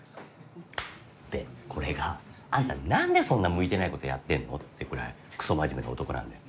でこれがあんた何でそんな向いてないことやってんの？ってぐらいくそ真面目な男なんだよ。